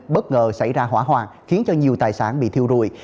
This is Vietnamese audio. bất ngờ xảy ra hỏa hoàng khiến nhiều tài sản bị thiêu rùi